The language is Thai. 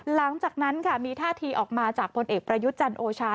หลังจากนั้นค่ะมีท่าทีออกมาจากพลเอกประยุทธ์จันทร์โอชา